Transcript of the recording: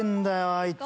あいつ。